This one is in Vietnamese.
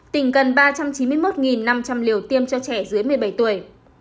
tỉnh cần ba trăm chín mươi một năm trăm linh liều tiêm cho trẻ dưới một mươi bảy tuổi